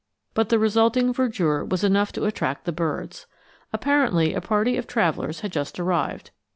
But the resulting verdure was enough to attract the birds. Apparently a party of travelers had just arrived.